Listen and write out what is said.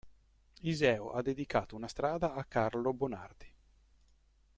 Iseo ha dedicato una strada a Carlo Bonardi.